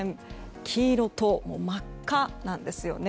黄色と、真っ赤なんですよね。